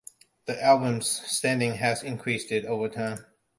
The album's standing has increased over time.